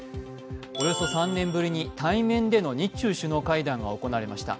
およそ３年ぶりに対面での日中首脳会談が行われました。